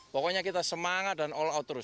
pokoknya kita semangat dan all out terus